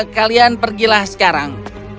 kalian pergilah sekarang